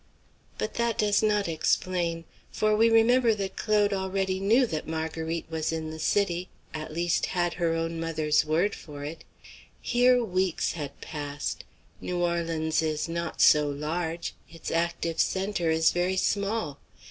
But that does not explain. For we remember that Claude already knew that Marguerite was in the city, at least had her own mother's word for it. Here, weeks had passed. New Orleans is not so large; its active centre is very small.